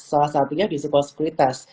salah satunya di sekolah sekuritas